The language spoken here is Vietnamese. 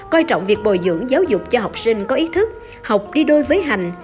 coi trọng việc bồi dưỡng giáo dục cho học sinh có ý thức học đi đôi với hành